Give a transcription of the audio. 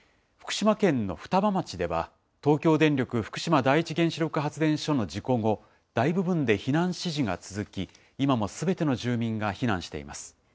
福島県の双葉町では、東京電力福島第一原子力発電所の事故後、大部分で避難指示が続き、今もすべての住民が避難しています。